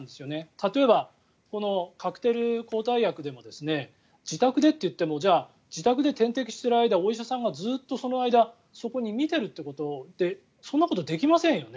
例えば、このカクテル抗体薬でも自宅でと言ってもじゃあ自宅で点滴をしている間お医者さんがずっとその間そこで見ているってことってそんなことはできませんよね。